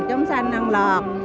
chúng sanh năng lọt